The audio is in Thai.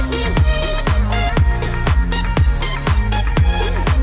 ไม่ได้ใครดู